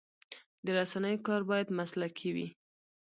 د رسنیو کار باید مسلکي وي.